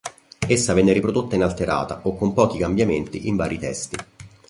Essa venne riprodotta inalterata o con pochi cambiamenti in vari testi.